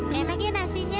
soalnya aja dikita